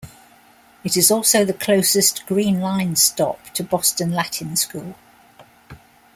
It is also the closest Green Line stop to Boston Latin School.